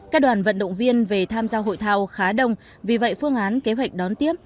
các đoàn vận động viên về tham gia hội thao khá đông vì vậy phương án kế hoạch đón tiếp